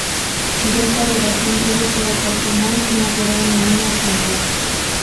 De este relación breve pero pasional nacerá una niña, Chantal.